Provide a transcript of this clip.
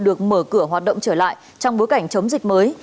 được mở cửa hoạt động trở lại trong bối cảnh chống dịch mới